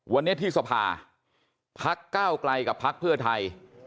วันนี้ที่สภาพักก้าวไกลกับพักเพื่อไทย